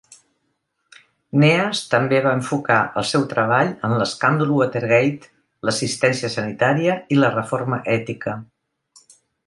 Neas també va enfocar el seu treball en l'escàndol Watergate, l'assistència sanitària i la reforma ètica.